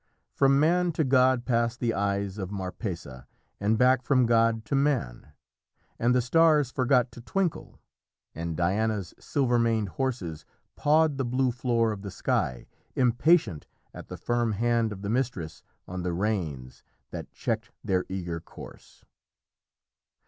From man to god passed the eyes of Marpessa, and back from god to man. And the stars forgot to twinkle, and Diana's silver maned horses pawed the blue floor of the sky, impatient at the firm hand of the mistress on the reins that checked their eager course.